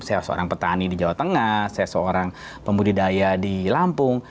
saya seorang petani di jawa tengah saya seorang pembudidaya di lampung